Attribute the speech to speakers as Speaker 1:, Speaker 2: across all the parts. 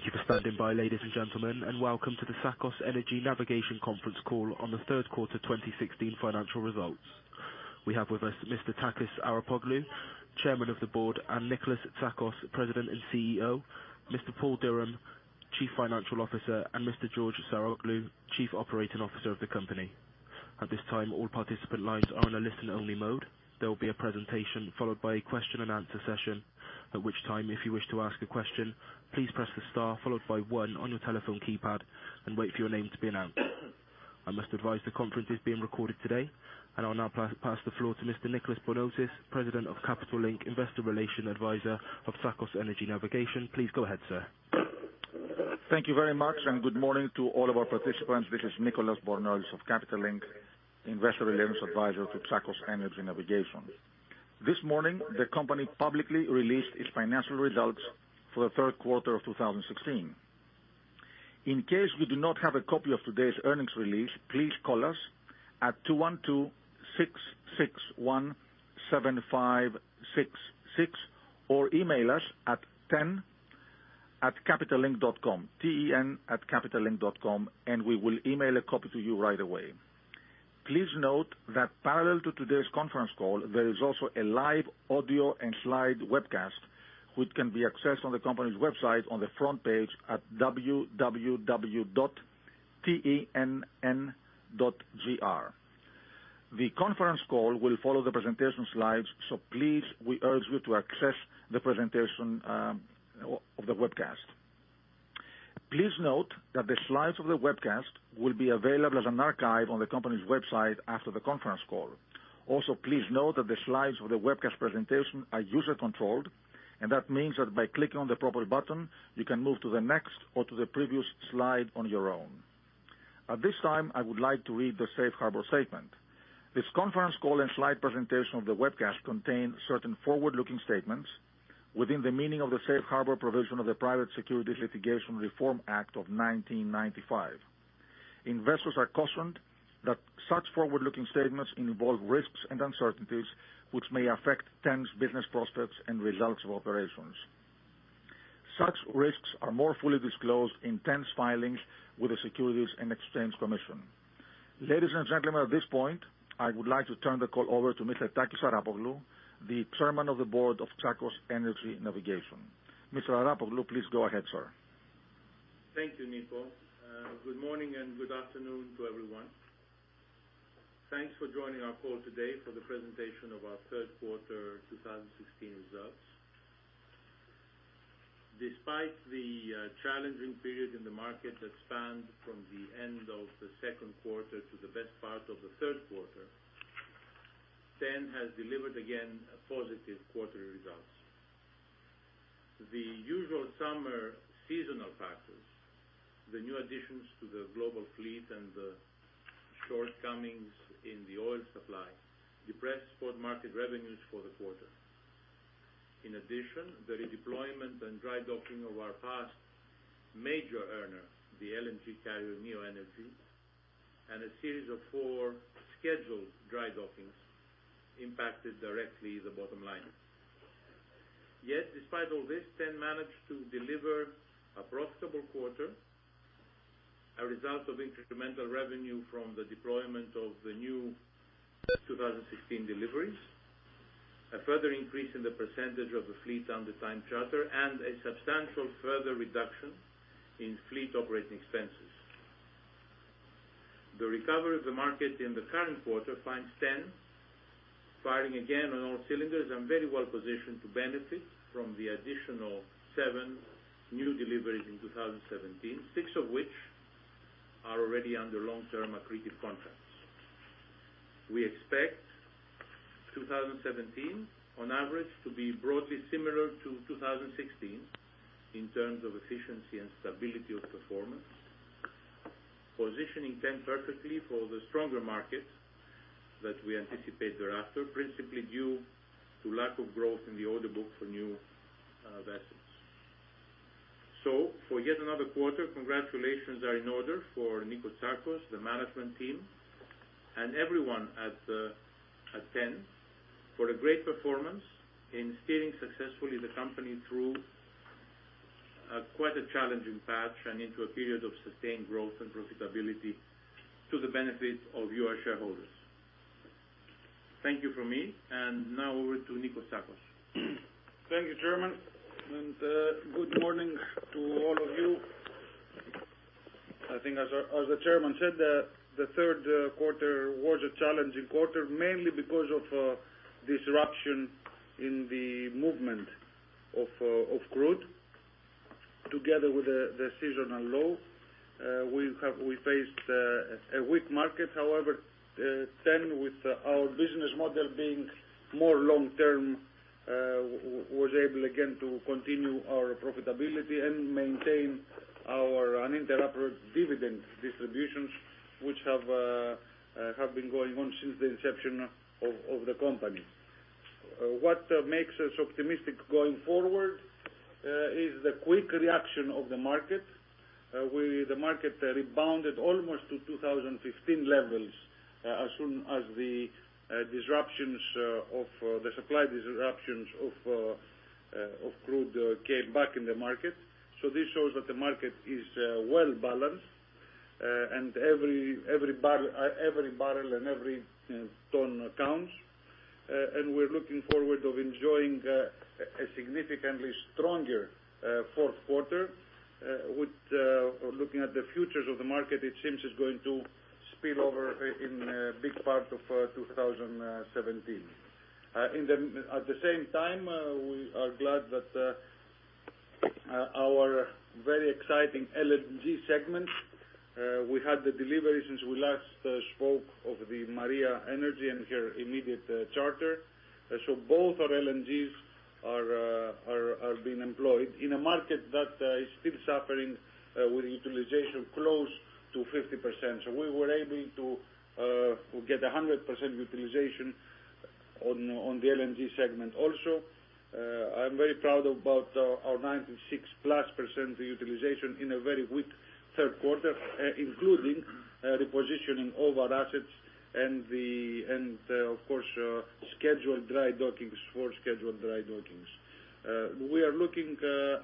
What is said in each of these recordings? Speaker 1: Thank you for standing by, ladies and gentlemen, and welcome to the Tsakos Energy Navigation conference call on the third quarter 2016 financial results. We have with us Mr. Takis Arapoglou, Chairman of the Board, and Nikolas Tsakos, President and CEO. Mr. Paul Durham, Chief Financial Officer, and Mr. George Saroglou, Chief Operating Officer of the company. At this time, all participant lines are on a listen-only mode. There will be a presentation followed by a question and answer session. At which time, if you wish to ask a question, please press the star followed by one on your telephone keypad and wait for your name to be announced. I must advise the conference is being recorded today. I'll now pass the floor to Mr. Nicolas Bornozis, President of Capital Link Investor Relation Advisor of Tsakos Energy Navigation. Please go ahead, sir.
Speaker 2: Thank you very much. Good morning to all of our participants. This is Nicolas Bornozis of Capital Link Investor Relations Advisor to Tsakos Energy Navigation. This morning, the company publicly released its financial results for the third quarter of 2016. In case you do not have a copy of today's earnings release, please call us at 212-661-7566 or email us at ten@capitallink.com, t-e-n @capitallink.com. We will email a copy to you right away. Please note that parallel to today's conference call, there is also a live audio and slide webcast, which can be accessed on the company's website on the front page at www.t-e-n-n.gr. The conference call will follow the presentation slides. Please, we urge you to access the presentation of the webcast. Please note that the slides of the webcast will be available as an archive on the company's website after the conference call. Please note that the slides of the webcast presentation are user-controlled. That means that by clicking on the proper button, you can move to the next or to the previous slide on your own. At this time, I would like to read the safe harbor statement. This conference call and slide presentation of the webcast contain certain forward-looking statements within the meaning of the safe harbor provision of the Private Securities Litigation Reform Act of 1995. Investors are cautioned that such forward-looking statements involve risks and uncertainties, which may affect TEN's business prospects and results of operations. Such risks are more fully disclosed in TEN's filings with the Securities and Exchange Commission. Ladies and gentlemen, at this point, I would like to turn the call over to Mr. Takis Arapoglou, the Chairman of the Board of Tsakos Energy Navigation. Mr. Arapoglou, please go ahead, sir.
Speaker 3: Thank you, Nico. Good morning and good afternoon to everyone. Thanks for joining our call today for the presentation of our third quarter 2016 results. Despite the challenging period in the market that spanned from the end of the second quarter to the best part of the third quarter, TEN has delivered again positive quarterly results. The usual summer seasonal factors, the new additions to the global fleet, and the shortcomings in the oil supply depressed spot market revenues for the quarter. In addition, the redeployment and dry docking of our past major earner, the LNG carrier Neo Energy, and a series of four scheduled dry dockings impacted directly the bottom line. Yet, despite all this, TEN managed to deliver a profitable quarter, a result of incremental revenue from the deployment of the new 2016 deliveries, a further increase in the percentage of the fleet under time charter, and a substantial further reduction in fleet operating expenses. The recovery of the market in the current quarter finds TEN firing again on all cylinders and very well positioned to benefit from the additional 7 new deliveries in 2017, 6 of which are already under long-term accretive contracts. We expect 2017 on average to be broadly similar to 2016 in terms of efficiency and stability of performance, positioning TEN perfectly for the stronger market that we anticipate thereafter, principally due to lack of growth in the order book for new vessels. For yet another quarter, congratulations are in order for Nico Tsakos, the management team, and everyone at TEN for a great performance in steering successfully the company through quite a challenging patch and into a period of sustained growth and profitability to the benefit of your shareholders. Thank you from me. Now over to Nico Tsakos.
Speaker 4: Thank you, Chairman. Good morning to all of you. I think as the chairman said, the third quarter was a challenging quarter, mainly because of disruption in the movement of crude together with the seasonal low. We faced a weak market. However, TEN, with our business model being more long-term, was able again to continue our profitability and maintain our uninterrupted dividend distributions, which have been going on since the inception of the company. What makes us optimistic going forward is the quick reaction of the market. The market rebounded almost to 2015 levels as soon as the supply disruptions of crude came back in the market. This shows that the market is well-balanced and every barrel and every ton counts. We're looking forward of enjoying a significantly stronger fourth quarter with looking at the futures of the market, it seems it's going to spill over in a big part of 2017. At the same time, we are glad that our very exciting LNG segment, we had the delivery since we last spoke of the Maria Energy and her immediate charter. Both our LNGs are being employed in a market that is still suffering, with utilization close to 50%. We were able to get 100% utilization on the LNG segment also. I'm very proud about our 96+% utilization in a very weak third quarter, including repositioning all of our assets and of course, scheduled dry dockings for scheduled dry dockings. We are looking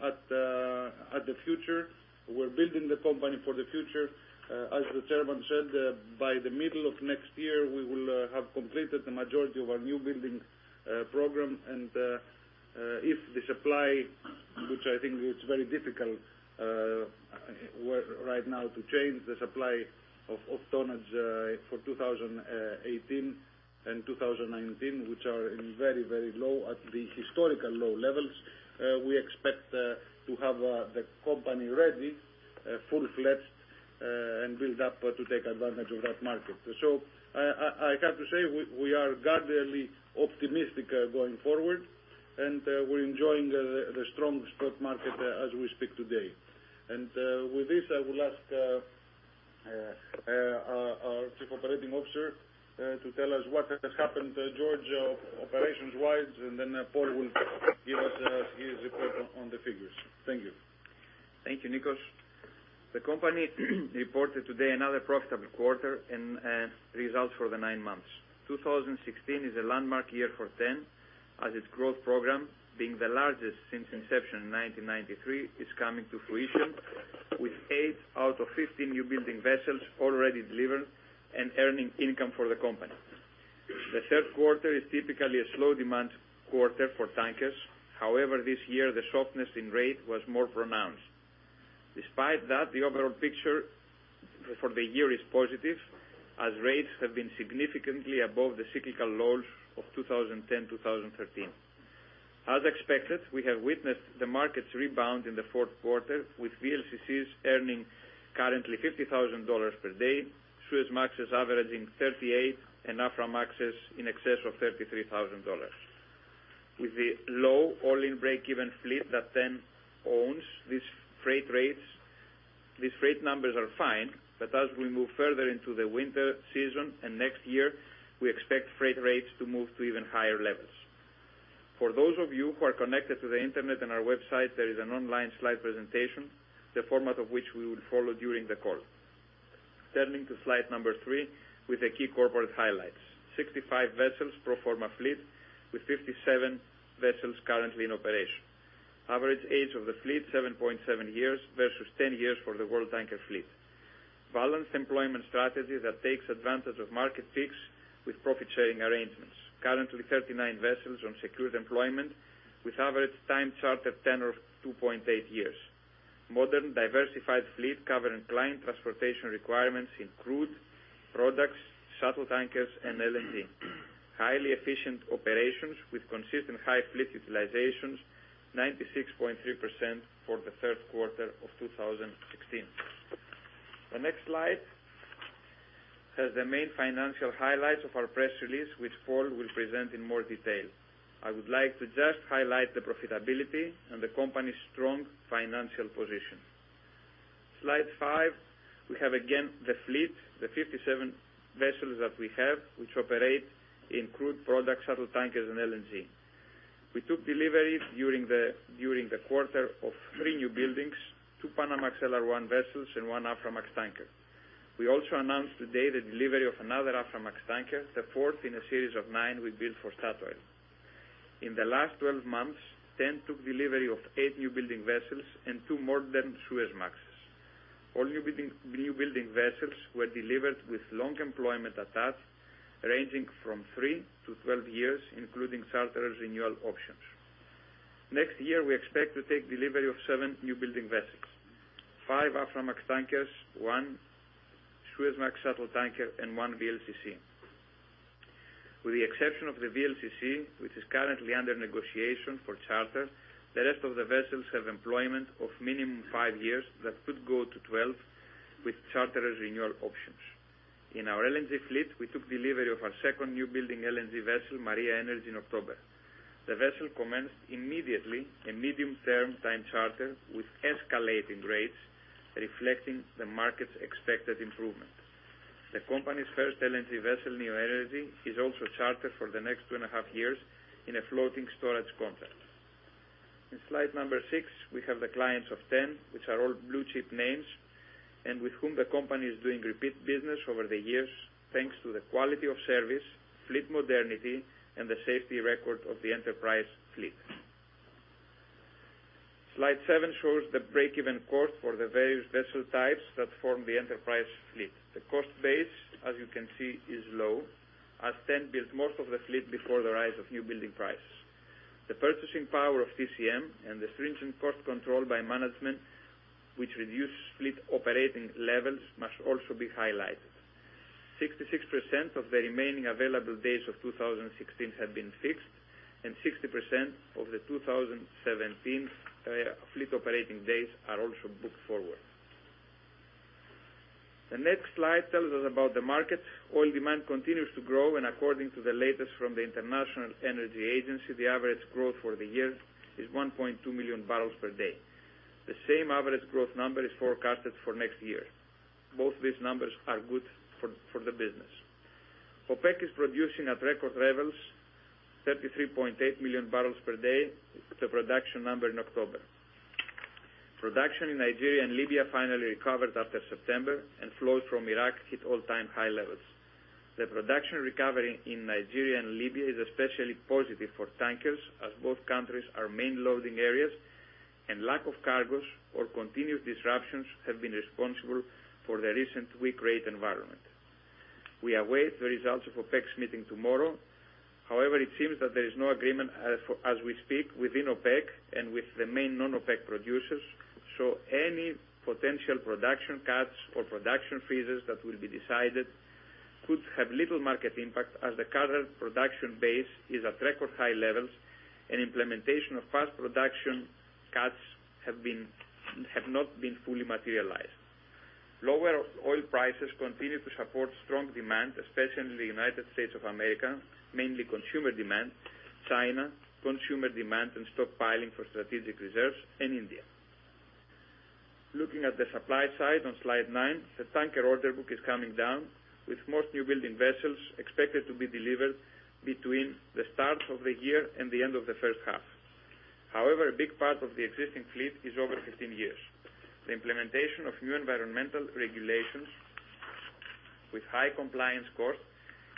Speaker 4: at the future. We're building the company for the future. As the chairman said, by the middle of next year, we will have completed the majority of our new building program. If the supply, which I think is very difficult right now to change the supply of tonnage for 2018 and 2019, which are in very low, at the historical low levels, we expect to have the company ready, full-fledged, and build up to take advantage of that market. I have to say, we are guardedly optimistic going forward, and we're enjoying the strong spot market as we speak today. With this, I will ask our Chief Operating Officer to tell us what has happened, George, operations-wise, and then Paul will give us his report on the figures. Thank you.
Speaker 5: Thank you, Nikos. The company reported today another profitable quarter and results for the nine months. 2016 is a landmark year for TEN, as its growth program, being the largest since inception in 1993, is coming to fruition with eight out of 15 new building vessels already delivered and earning income for the company. The third quarter is typically a slow demand quarter for tankers. However, this year, the softness in rate was more pronounced. Despite that, the overall picture for the year is positive, as rates have been significantly above the cyclical lows of 2010 to 2013. As expected, we have witnessed the market's rebound in the fourth quarter, with VLCCs earning currently $50,000 per day, Suezmaxes averaging $38,000, and Aframaxes in excess of $33,000. With the low all-in break-even fleet that TEN owns, these freight numbers are fine, but as we move further into the winter season and next year, we expect freight rates to move to even higher levels. For those of you who are connected to the internet and our website, there is an online slide presentation, the format of which we will follow during the call. Turning to slide number three with the key corporate highlights. 65 vessels pro forma fleet with 57 vessels currently in operation. Average age of the fleet, 7.7 years versus 10 years for the world tanker fleet. Balanced employment strategy that takes advantage of market peaks with profit-sharing arrangements. Currently 39 vessels on secured employment with average time charter tenor of 2.8 years. Modern, diversified fleet covering client transportation requirements in crude, products, shuttle tankers, and LNG. Highly efficient operations with consistent high fleet utilizations, 96.3% for the third quarter of 2016. The next slide has the main financial highlights of our press release, which Paul will present in more detail. I would like to just highlight the profitability and the company's strong financial position. Slide five, we have again the fleet, the 57 vessels that we have, which operate in crude product shuttle tankers and LNG. We took delivery during the quarter of three new buildings, two Panamax LR1 vessels and one Aframax tanker. We also announced today the delivery of another Aframax tanker, the fourth in a series of nine we built for Statoil. In the last 12 months, TEN took delivery of eight new building vessels and two more than Suezmaxes. All new building vessels were delivered with long employment attached, ranging from three to 12 years, including charterers' renewal options. Next year, we expect to take delivery of 7 new building vessels, five Aframax tankers, one Suezmax shuttle tanker, and one VLCC. With the exception of the VLCC, which is currently under negotiation for charter, the rest of the vessels have employment of minimum five years that could go to 12 with charterers' renewal options. In our LNG fleet, we took delivery of our second new building LNG vessel, Maria Energy, in October. The vessel commenced immediately a medium-term time charter with escalating rates reflecting the market's expected improvement. The company's first LNG vessel, Neo Energy, is also chartered for the next two and a half years in a floating storage contract. In slide number six, we have the clients of TEN, which are all blue-chip names, with whom the company is doing repeat business over the years, thanks to the quality of service, fleet modernity, and the safety record of the enterprise fleet. Slide seven shows the break-even cost for the various vessel types that form the enterprise fleet. The cost base, as you can see, is low, as TEN built most of the fleet before the rise of new building prices. The purchasing power of TCM and the stringent cost control by management, which reduce fleet operating levels, must also be highlighted. 66% of the remaining available days of 2016 have been fixed, and 60% of the 2017 fleet operating days are also booked forward. The next slide tells us about the market. Oil demand continues to grow, according to the latest from the International Energy Agency, the average growth for the year is 1.2 million barrels per day. The same average growth number is forecasted for next year. Both these numbers are good for the business. OPEC is producing at record levels, 33.8 million barrels per day. It's a production number in October. Production in Nigeria and Libya finally recovered after September, and flows from Iraq hit all-time high levels. The production recovery in Nigeria and Libya is especially positive for tankers, as both countries are main loading areas, and lack of cargoes or continued disruptions have been responsible for the recent weak rate environment. We await the results of OPEC's meeting tomorrow. It seems that there is no agreement as we speak within OPEC and with the main non-OPEC producers. Any potential production cuts or production freezes that will be decided could have little market impact, as the current production base is at record high levels, and implementation of past production cuts have not been fully materialized. Lower oil prices continue to support strong demand, especially in the U.S. of America, mainly consumer demand, China, consumer demand and stockpiling for strategic reserves, and India. Looking at the supply side on slide nine, the tanker order book is coming down, with most new building vessels expected to be delivered between the start of the year and the end of the first half. However, a big part of the existing fleet is over 15 years. The implementation of new environmental regulations with high compliance costs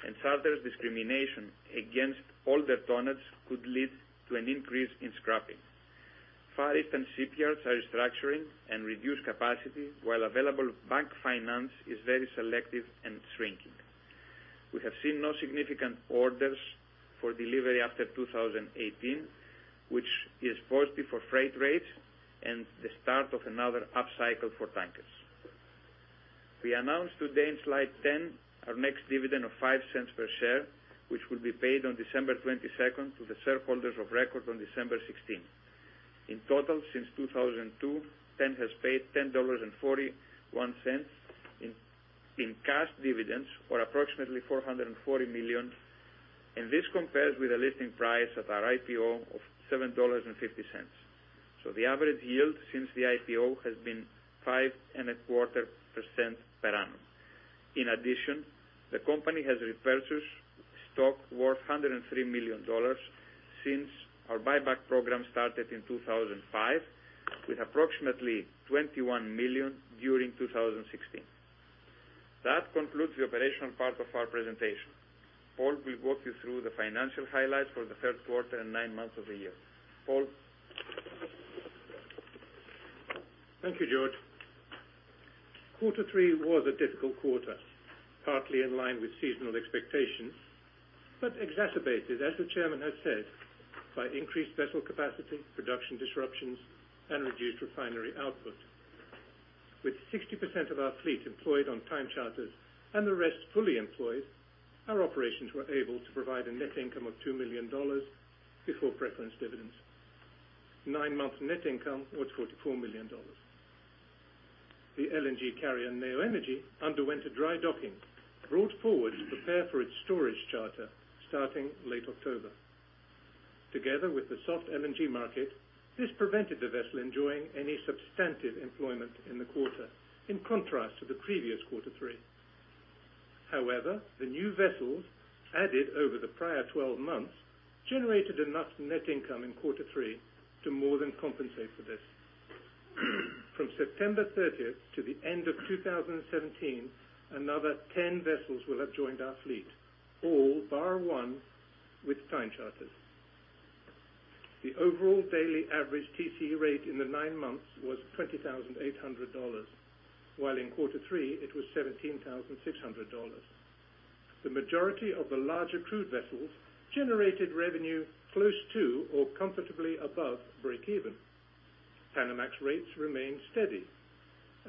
Speaker 5: and charter's discrimination against older tonnage could lead to an increase in scrapping. Far Eastern shipyards are restructuring and reduce capacity, while available bank finance is very selective and shrinking. We have seen no significant orders for delivery after 2018, which is positive for freight rates and the start of another upcycle for tankers. We announce today in slide 10 our next dividend of $0.05 per share, which will be paid on December 22nd to the shareholders of record on December 16th. In total, since 2002, TEN has paid $10.41 in cash dividends or approximately $440 million, and this compares with a listing price at our IPO of $7.50. The average yield since the IPO has been 5.25% per annum. In addition, the company has repurchased stock worth $103 million since our buyback program started in 2005, with approximately $21 million during 2016. That concludes the operational part of our presentation. Paul will walk you through the financial highlights for the third quarter and nine months of the year. Paul?
Speaker 6: Thank you, George. Quarter three was a difficult quarter, partly in line with seasonal expectations, but exacerbated, as the chairman has said, by increased vessel capacity, production disruptions, and reduced refinery output. With 60% of our fleet employed on time charters and the rest fully employed, our operations were able to provide a net income of $2 million before preference dividends. Nine-month net income was $44 million. The LNG carrier, Neo Energy, underwent a dry docking, brought forward to prepare for its storage charter starting late October. Together with the soft LNG market, this prevented the vessel enjoying any substantive employment in the quarter, in contrast to the previous quarter three. However, the new vessels added over the prior 12 months generated enough net income in quarter three to more than compensate for this. From September 30th to the end of 2017, another 10 vessels will have joined our fleet, all bar one with time charters. The overall daily average TCE rate in the nine months was $20,800, while in quarter three it was $17,600. The majority of the larger crude vessels generated revenue close to or comfortably above breakeven. Panamax rates remained steady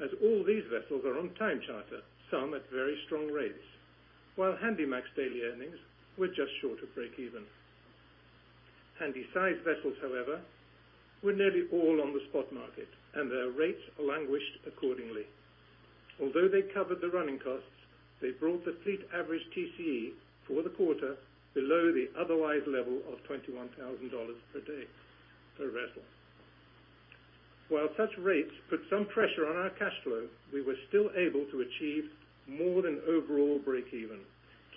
Speaker 6: as all these vessels are on time charter, some at very strong rates, while Handymax daily earnings were just short of breakeven. Handysize vessels, however, were nearly all on the spot market, and their rates languished accordingly. Although they covered the running costs, they brought the fleet average TCE for the quarter below the otherwise level of $21,000 per day per vessel. While such rates put some pressure on our cash flow, we were still able to achieve more than overall breakeven,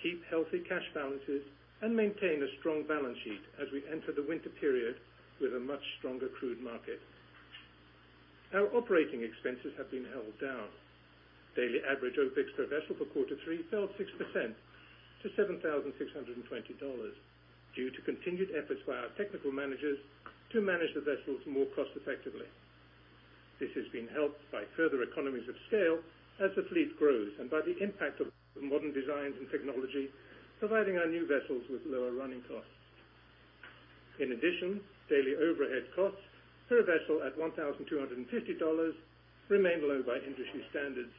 Speaker 6: keep healthy cash balances, and maintain a strong balance sheet as we enter the winter period with a much stronger crude market. Our operating expenses have been held down. Daily average OpEx per vessel for quarter three fell 6% to $7,620, due to continued efforts by our technical managers to manage the vessels more cost effectively. This has been helped by further economies of scale as the fleet grows and by the impact of the modern designs and technology, providing our new vessels with lower running costs. In addition, daily overhead costs per vessel at $1,250 remain low by industry standards.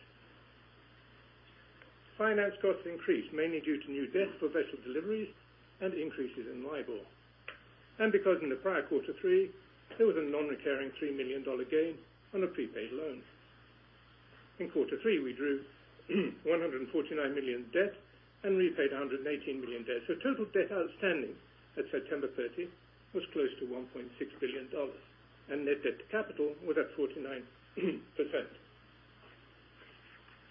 Speaker 6: Finance costs increased mainly due to new debt for vessel deliveries and increases in LIBOR. Because in the prior quarter three, there was a non-recurring $3 million gain on a prepaid loan. In quarter three, we drew $149 million debt and repaid $118 million debt. Total debt outstanding at September 30 was close to $1.6 billion, and net debt to capital was at 49%.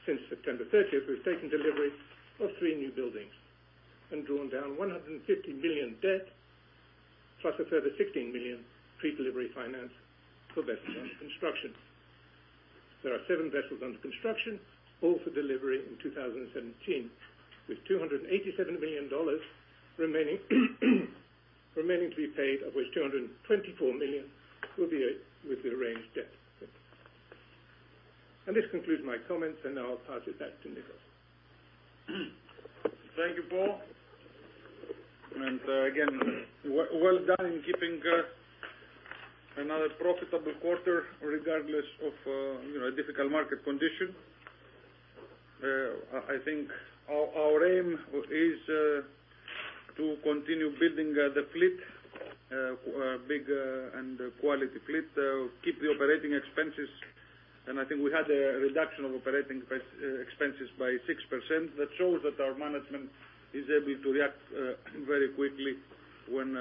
Speaker 6: Since September 30th, we've taken delivery of three new buildings and drawn down $150 million debt, plus a further $16 million pre-delivery finance for vessels under construction. There are seven vessels under construction, all for delivery in 2017, with $287 million remaining to be paid, of which $224 million will be with the arranged debt. This concludes my comments, and now I'll pass it back to Nikolas.
Speaker 4: Thank you, Paul. Again, well done in keeping another profitable quarter, regardless of a difficult market condition. I think our aim is to continue building the fleet, big and quality fleet, keep the operating expenses. I think we had a reduction of operating expenses by 6%. That shows that our management is able to react very quickly when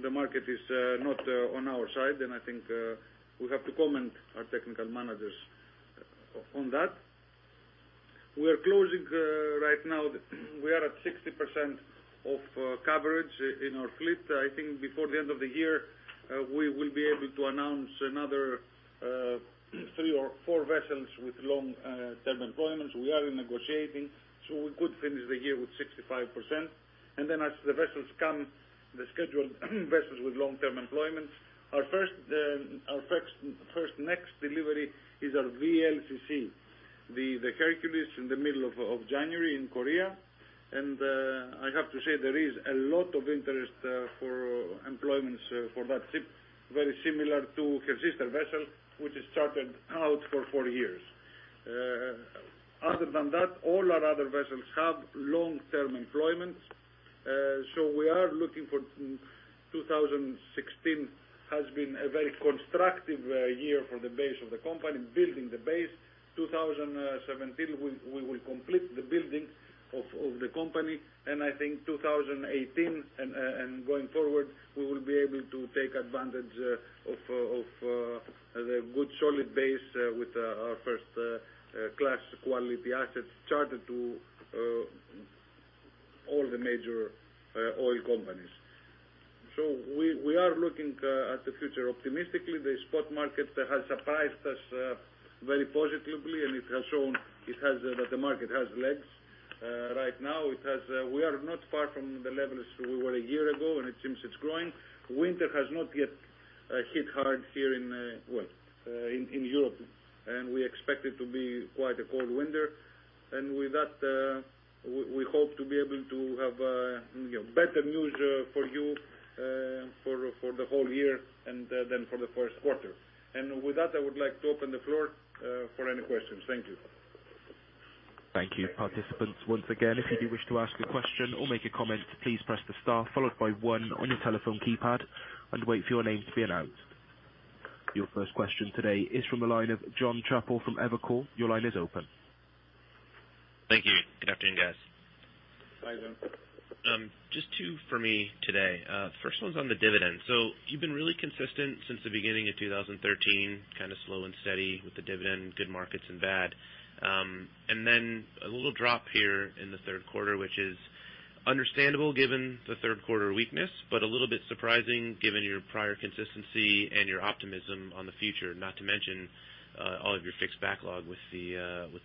Speaker 4: the market is not on our side. I think we have to commend our technical managers on that. We are closing right now, we are at 60% of coverage in our fleet. I think before the end of the year, we will be able to announce another three or four vessels with long-term employment. We are in negotiating, so we could finish the year with 65%. Then as the vessels come, the scheduled vessels with long-term employment, our first next delivery is our VLCC, the Hercules, in the middle of January in Korea. I have to say, there is a lot of interest for employments for that ship, very similar to her sister vessel, which has chartered out for four years. Other than that, all our other vessels have long-term employment. 2016 has been a very constructive year for the base of the company, building the base. 2017, we will complete the building of the company. I think 2018 and going forward, we will be able to take advantage of the good, solid base with our first class quality assets chartered to all the major oil companies. We are looking at the future optimistically. The spot market has surprised us very positively, and it has shown that the market has legs. Right now, we are not far from the levels we were a year ago, it seems it's growing. Winter has not yet hit hard here in Europe, we expect it to be quite a cold winter. With that, we hope to be able to have better news for you for the whole year than for the first quarter. With that, I would like to open the floor for any questions. Thank you.
Speaker 1: Thank you, participants. Once again, if you do wish to ask a question or make a comment, please press the star followed by one on your telephone keypad and wait for your name to be announced. Your first question today is from the line of John Chappell from Evercore. Your line is open.
Speaker 7: Thank you. Good afternoon, guys.
Speaker 4: Hi, John.
Speaker 7: Just two for me today. First one's on the dividend. You've been really consistent since the beginning of 2013, kind of slow and steady with the dividend, good markets and bad. A little drop here in the third quarter, which is understandable given the third quarter weakness, but a little bit surprising given your prior consistency and your optimism on the future, not to mention all of your fixed backlog with the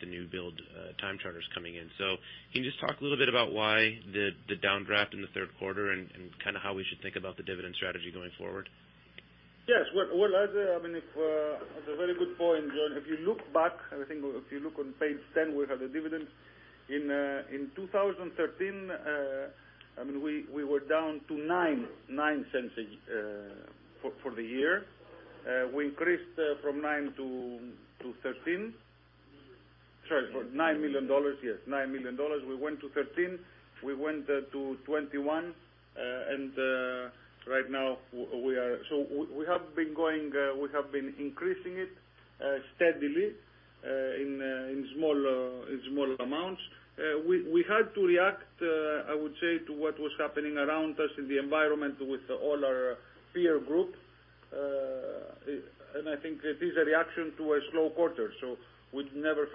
Speaker 7: new build time charters coming in. Can you just talk a little bit about why the downdraft in the third quarter and kind of how we should think about the dividend strategy going forward?
Speaker 4: Yes. Well, that's a very good point, John. If you look back, I think if you look on page 10, we have the dividend. In 2013, we were down to $0.09 for the year. We increased from 9 to 13. Sorry, $9 million. Yes, $9 million. We went to $13 million, we went to $21 million, and right now we are-- We have been increasing it steadily in small amounts. We had to react, I would say, to what was happening around us in the environment with all our peer group. I think it is a reaction to a slow quarter. But again,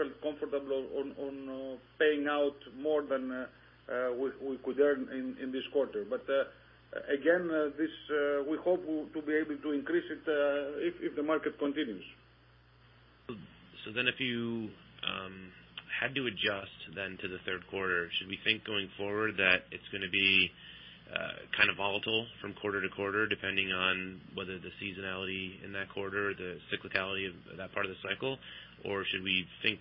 Speaker 4: we hope to be able to increase it if the market continues.
Speaker 7: If you had to adjust then to the third quarter, should we think going forward that it's going to be volatile from quarter to quarter depending on whether the seasonality in that quarter or the cyclicality of that part of the cycle? Or should we think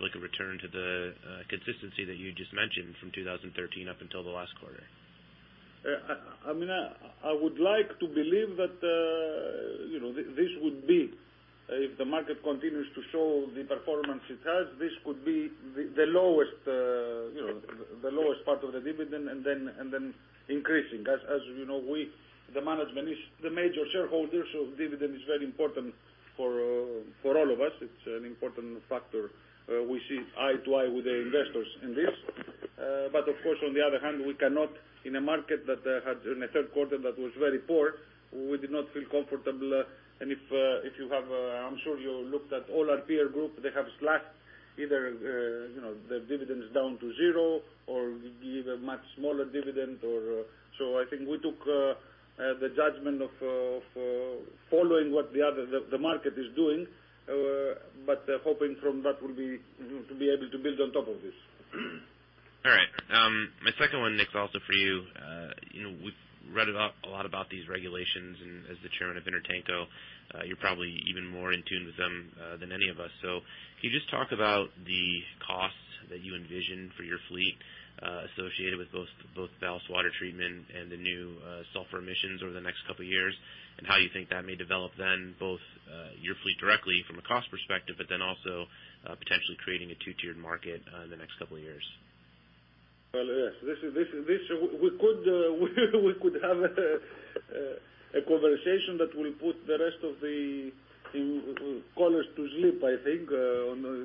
Speaker 7: like a return to the consistency that you just mentioned from 2013 up until the last quarter?
Speaker 4: I would like to believe that if the market continues to show the performance it has, this could be the lowest part of the dividend and then increasing. As you know, the management is the major shareholder, dividend is very important for all of us. It's an important factor. We see eye to eye with the investors in this. Of course, on the other hand, in a third quarter that was very poor, we did not feel comfortable. I'm sure you looked at all our peer group. They have slashed either their dividends down to 0 or give a much smaller dividend. I think we took the judgment of following what the market is doing, but hoping from that to be able to build on top of this.
Speaker 7: All right. My second one, Nick, is also for you. We've read a lot about these regulations and as the chairman of INTERTANKO, you're probably even more in tune with them than any of us. Can you just talk about the costs that you envision for your fleet, associated with both ballast water treatment and the new sulfur emissions over the next couple of years, and how you think that may develop then both your fleet directly from a cost perspective, but then also potentially creating a 2-tiered market in the next couple of years?
Speaker 4: Well, yes. We could have a conversation that will put the rest of the callers to sleep, I think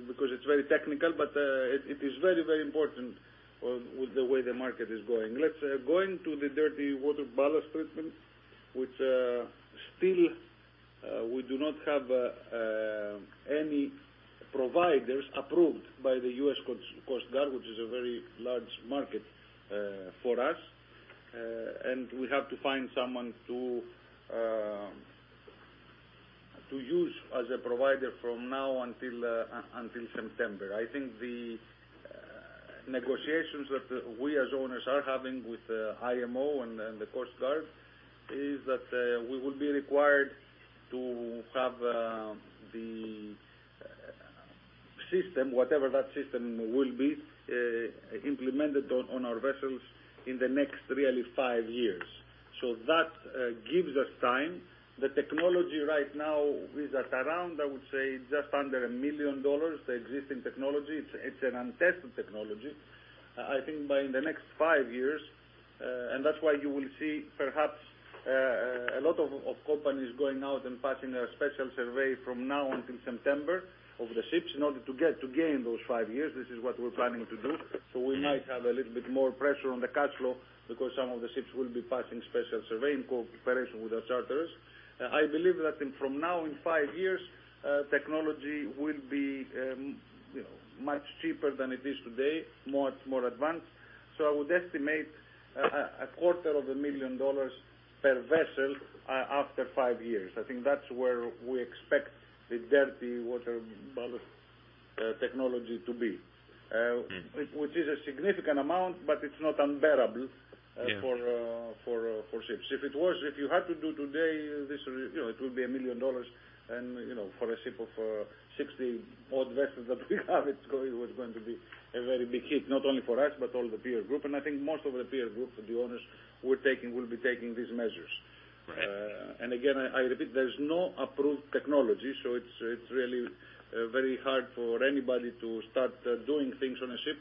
Speaker 4: because it's very technical, but it is very, very important with the way the market is going. Let's go into the dirty water ballast treatment, which still we do not have any providers approved by the U.S. Coast Guard, which is a very large market for us. We have to find someone to use as a provider from now until September. I think the negotiations that we as owners are having with IMO and the Coast Guard is that we will be required to have the system, whatever that system will be, implemented on our vessels in the next really five years. That gives us time. The technology right now is at around, I would say, just under $1 million, the existing technology. It's an untested technology. I think by in the next five years, that's why you will see perhaps a lot of companies going out and passing a special survey from now until September of the ships in order to gain those five years. This is what we're planning to do. We might have a little bit more pressure on the cash flow because some of the ships will be passing special survey in cooperation with the charterers. I believe that from now in five years, technology will be much cheaper than it is today, much more advanced. I would estimate a quarter of a million dollars per vessel after five years. I think that's where we expect the dirty water ballast technology to be. Which is a significant amount, but it's not unbearable.
Speaker 7: Yes
Speaker 4: for ships. If you had to do today, it would be $1 million. For a ship of 60 odd vessels that we have, it was going to be a very big hit, not only for us, but all the peer group. I think most of the peer group, the owners will be taking these measures.
Speaker 7: Right.
Speaker 4: Again, I repeat, there's no approved technology, it's really very hard for anybody to start doing things on a ship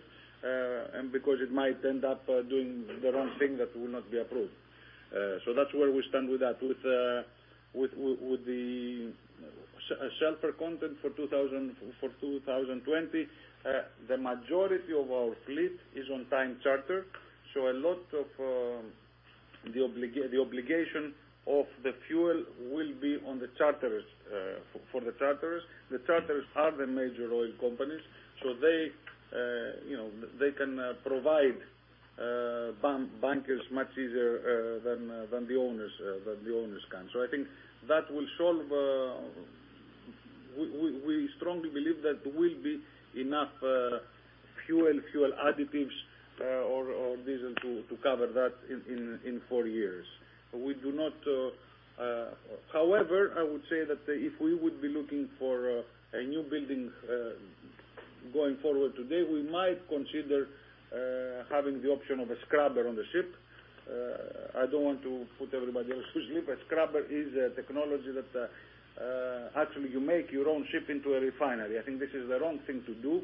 Speaker 4: because it might end up doing the wrong thing that will not be approved. That's where we stand with that. With the sulfur content for 2020, the majority of our fleet is on time charter. A lot of the obligation of the fuel will be for the charterers. The charterers are the major oil companies, they can provide bunkers much easier than the owners can. I think we strongly believe that will be enough fuel additives or diesel to cover that in four years. However, I would say that if we would be looking for a new building going forward today, we might consider having the option of a scrubber on the ship. I don't want to put everybody else to sleep. A scrubber is a technology that actually you make your own ship into a refinery. I think this is the wrong thing to do.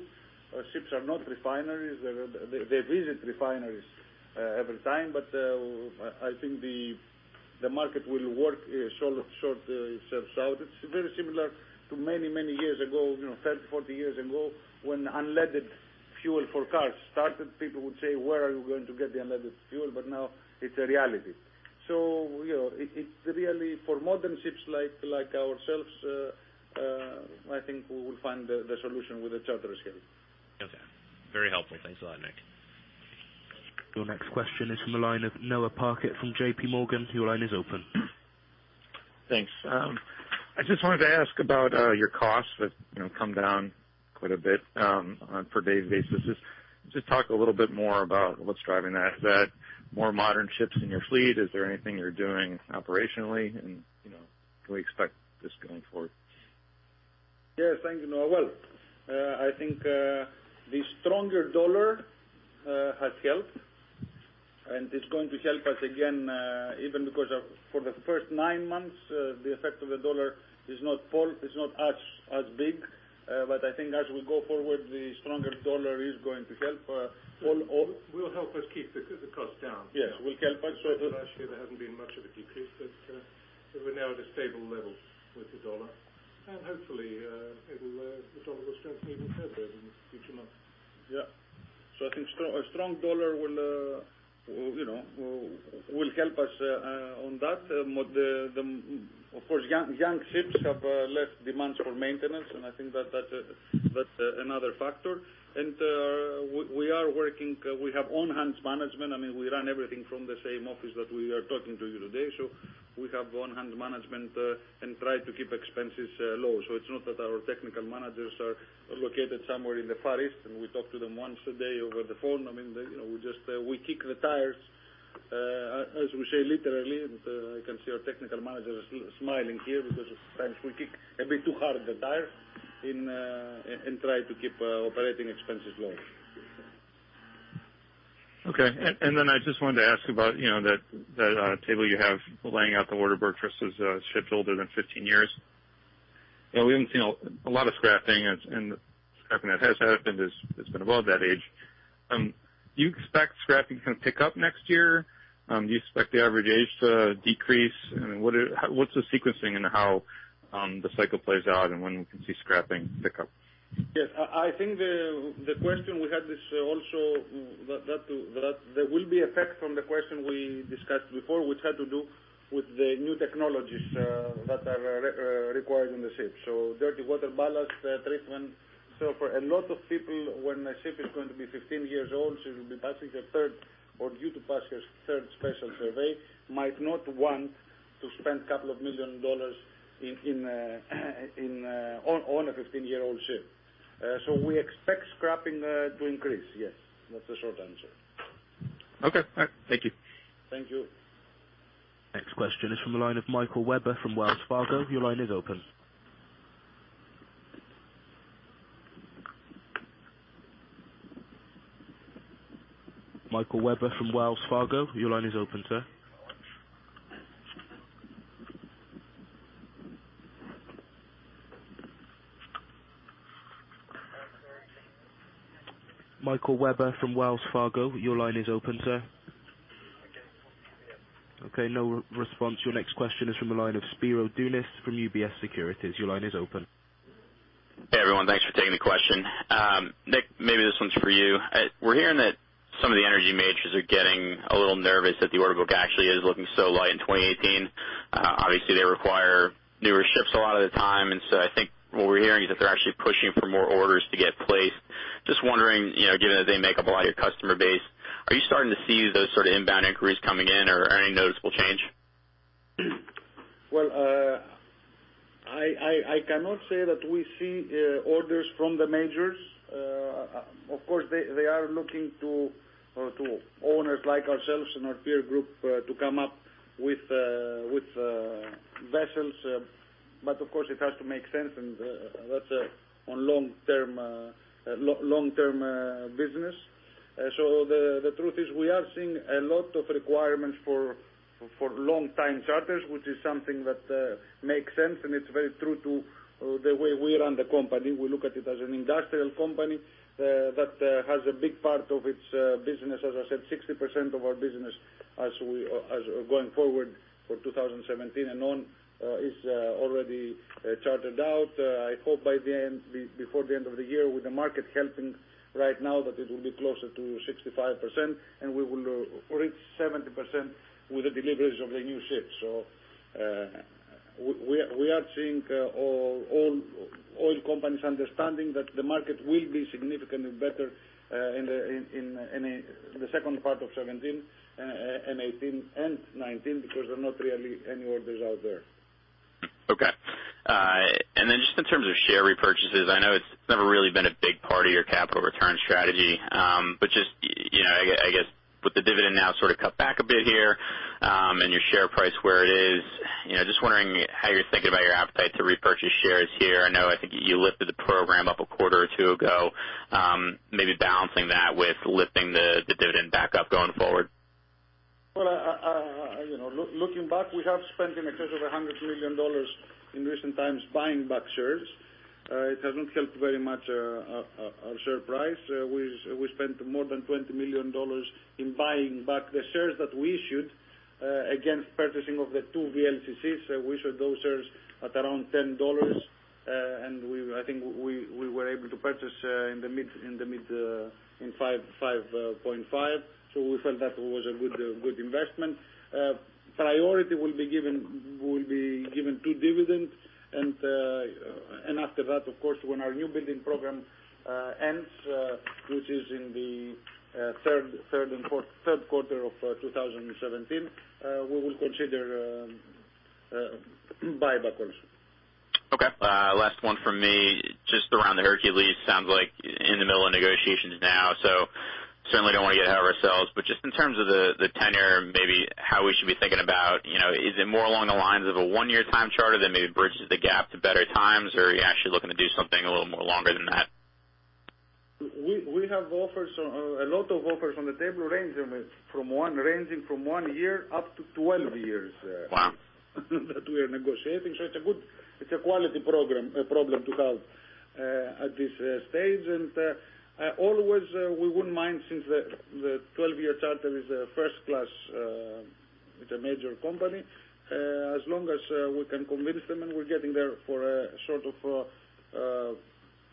Speaker 4: Ships are not refineries. They visit refineries every time. I think the market will work itself out. It's very similar to many years ago, 30, 40 years ago, when unleaded fuel for cars started, people would say, "Where are you going to get the unleaded fuel?" Now it's a reality. It's really for modern ships like ourselves, I think we will find the solution with the charterers.
Speaker 7: Okay. Very helpful. Thanks a lot, Nick.
Speaker 1: Your next question is from the line of Noah Parquette from JP Morgan. Your line is open.
Speaker 8: Thanks. I just wanted to ask about your costs that come down quite a bit on per day basis. Just talk a little bit more about what's driving that. Is that more modern ships in your fleet? Is there anything you're doing operationally and can we expect this going forward?
Speaker 4: Yes, thank you, Noah. Well, I think, the stronger dollar has helped and it's going to help us again, even because for the first nine months, the effect of the dollar is not as big. I think as we go forward, the stronger dollar is going to help all-
Speaker 6: Will help us keep the cost down.
Speaker 4: Yes.
Speaker 6: Last year there hasn't been much of a decrease, but we're now at a stable level with the dollar. Hopefully, the dollar will strengthen even further in the future months.
Speaker 4: Yeah. I think a strong dollar will help us on that. Of course, young ships have less demands for maintenance, and I think that's another factor. We are working, we have on-hand management. We run everything from the same office that we are talking to you today. We have on-hand management, and try to keep expenses low. It's not that our technical managers are located somewhere in the Far East, and we talk to them once a day over the phone. We kick the tires, as we say literally, and I can see our technical manager smiling here because at times we kick a bit too hard the tires in trying to keep OpEx low.
Speaker 8: Okay. I just wanted to ask about that table you have laying out the order book versus ships older than 15 years. We haven't seen a lot of scrapping and the scrapping that has happened has been above that age. Do you expect scrapping to pick up next year? Do you expect the average age to decrease? What's the sequencing in how the cycle plays out and when we can see scrapping pick up?
Speaker 4: Yes. I think the question we had is also that there will be effect from the question we discussed before, which had to do with the new technologies that are required in the ship. Ballast water treatment. For a lot of people, when a ship is going to be 15 years old, she will be passing the third or due to pass her third special survey, might not want to spend a couple of million dollars on a 15-year-old ship. We expect scrapping to increase, yes. That's the short answer.
Speaker 8: Okay. All right. Thank you.
Speaker 4: Thank you.
Speaker 1: Next question is from the line of Michael Webber from Wells Fargo. Your line is open. Michael Webber from Wells Fargo, your line is open, sir. Michael Webber from Wells Fargo, your line is open, sir. Okay, no response. Your next question is from the line of Spiro Dounis from UBS Securities. Your line is open.
Speaker 9: Hey, everyone. Thanks for taking the question. Nick, maybe this one's for you. We're hearing that some of the energy majors are getting a little nervous that the order book actually is looking so light in 2018. Obviously, they require newer ships a lot of the time. I think what we're hearing is that they're actually pushing for more orders to get placed. Just wondering, given that they make up a lot of your customer base, are you starting to see those inbound inquiries coming in or any noticeable change?
Speaker 4: Well, I cannot say that we see orders from the majors. Of course, they are looking to owners like ourselves and our peer group, to come up with vessels. Of course, it has to make sense and that's on long-term business. The truth is we are seeing a lot of requirements for long time charters, which is something that makes sense, and it's very true to the way we run the company. We look at it as an industrial company that has a big part of its business, as I said, 60% of our business as going forward for 2017 and on is already chartered out. I hope before the end of the year with the market helping right now, that it will be closer to 65%, and we will reach 70% with the deliveries of the new ships. We are seeing all oil companies understanding that the market will be significantly better in the second part of 2017 and 2018 and 2019 because there are not really any orders out there.
Speaker 9: Okay. Just in terms of share repurchases, I know it's never really been a big part of your capital return strategy. Just, I guess with the dividend now sort of cut back a bit here, and your share price where it is, just wondering how you're thinking about your appetite to repurchase shares here. I know, I think you lifted the program up a quarter or two ago. Maybe balancing that with lifting the dividend back up going forward.
Speaker 4: Well, looking back, we have spent in excess of $100 million in recent times buying back shares. It hasn't helped very much our share price. We spent more than $20 million in buying back the shares that we issued against purchasing of the two VLCCs. We sold those shares at around $10, and I think we were able to purchase in $5.5. We felt that was a good investment. Priority will be given to dividends, and after that, of course, when our new building program ends, which is in the third quarter of 2017, we will consider buyback also.
Speaker 9: Okay. Last one from me, just around the Hercules. Sounds like in the middle of negotiations now. Certainly don't want to get ahead of ourselves, but just in terms of the tenure, maybe how we should be thinking about, is it more along the lines of a one-year time charter that maybe bridges the gap to better times? Are you actually looking to do something a little more longer than that?
Speaker 4: We have a lot of offers on the table ranging from one year up to 12 years.
Speaker 9: Wow
Speaker 4: that we are negotiating. It's a quality problem to have at this stage. Always, we wouldn't mind since the 12-year charter is a first class with a major company, as long as we can convince them and we're getting there for a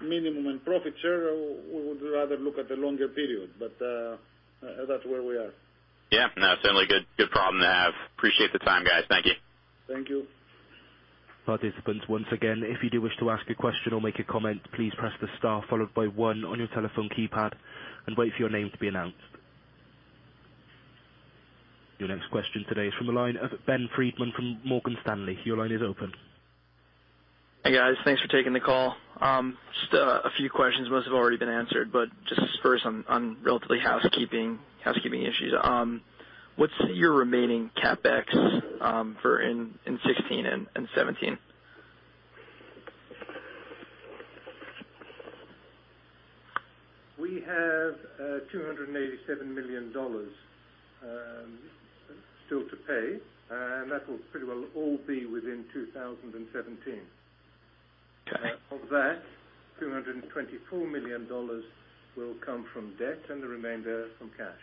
Speaker 4: minimum in profit share, we would rather look at the longer period. That's where we are.
Speaker 9: Yeah. No, certainly a good problem to have. Appreciate the time, guys. Thank you.
Speaker 4: Thank you.
Speaker 1: Participants, once again, if you do wish to ask a question or make a comment, please press the star followed by one on your telephone keypad and wait for your name to be announced. Your next question today is from the line of Ben Freedman from Morgan Stanley. Your line is open.
Speaker 10: Hey, guys. Thanks for taking the call. Just a few questions, most have already been answered, but just first on relatively housekeeping issues. What's your remaining CapEx for in 2016 and 2017?
Speaker 6: We have $287 million still to pay, that will pretty well all be within 2017.
Speaker 10: Okay.
Speaker 6: Of that, $224 million will come from debt and the remainder from cash.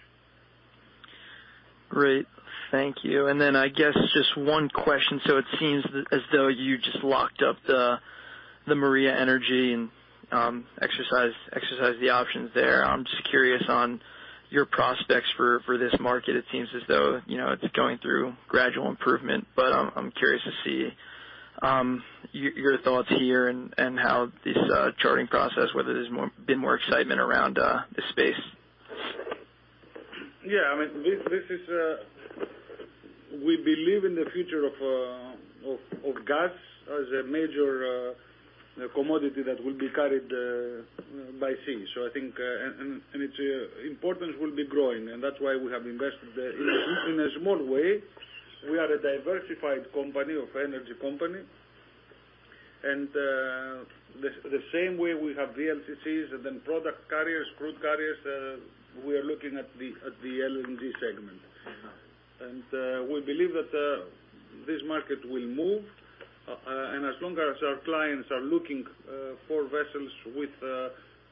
Speaker 10: Great. Thank you. Then I guess just one question. It seems as though you just locked up the Maria Energy and exercised the options there. I'm just curious on your prospects for this market. It seems as though it's going through gradual improvement, but I'm curious to see your thoughts here and how this chartering process, whether there's been more excitement around this space.
Speaker 4: Yeah. We believe in the future of gas as a major commodity that will be carried by sea. I think its importance will be growing, and that's why we have invested in a small way. We are a diversified company of energy company. The same way we have VLCCs and then product carriers, crude carriers, we are looking at the LNG segment. We believe that this market will move, and as long as our clients are looking for vessels with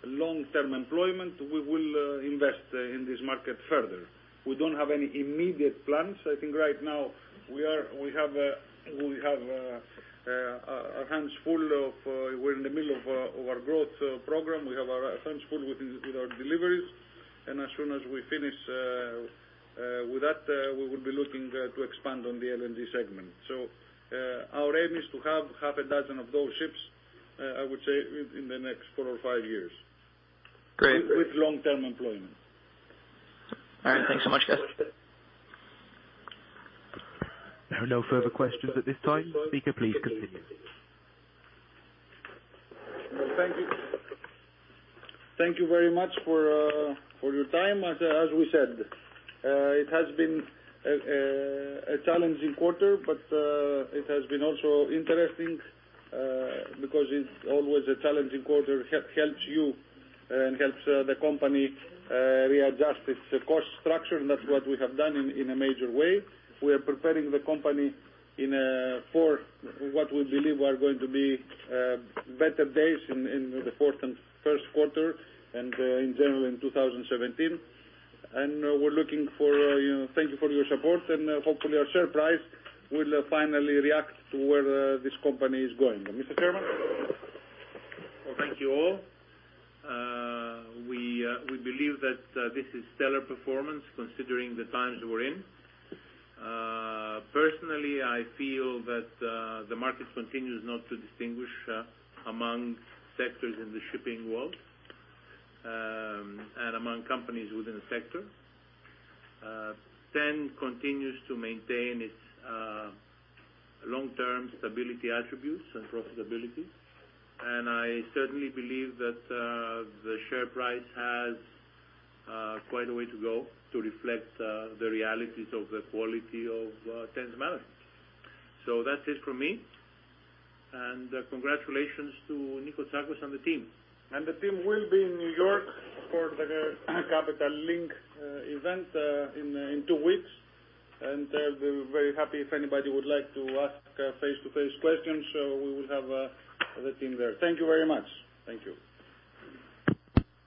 Speaker 4: long-term employment, we will invest in this market further. We don't have any immediate plans. I think right now we are in the middle of our growth program. We have our hands full with our deliveries, and as soon as we finish with that, we would be looking to expand on the LNG segment. Our aim is to have half a dozen of those ships, I would say, in the next four or five years.
Speaker 10: Great.
Speaker 4: With long-term employment.
Speaker 10: All right. Thanks so much, guys.
Speaker 1: There are no further questions at this time. Speaker, please continue.
Speaker 4: Thank you. Thank you very much for your time. As we said, it has been a challenging quarter, but it has been also interesting because it is always a challenging quarter, helps you and helps the company readjust its cost structure, and that's what we have done in a major way. We are preparing the company for what we believe are going to be better days in the fourth and first quarter and in general in 2017. Thank you for your support and hopefully our share price will finally react to where this company is going. Mr. Chairman?
Speaker 3: Well, thank you all. We believe that this is stellar performance considering the times we're in. Personally, I feel that the market continues not to distinguish among sectors in the shipping world, and among companies within the sector. TEN continues to maintain its long-term stability attributes and profitability, and I certainly believe that the share price has quite a way to go to reflect the realities of the quality of TEN's management. That's it from me, and congratulations to Nikos Tsakos and the team.
Speaker 4: The team will be in New York for the Capital Link event in two weeks, and we're very happy if anybody would like to ask face-to-face questions, we will have the team there. Thank you very much.
Speaker 3: Thank you.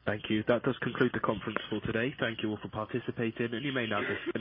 Speaker 1: Thank you. That does conclude the conference call today. Thank you all for participating, and you may now disconnect.